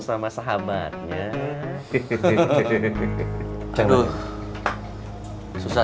susah ya cari saya ya susah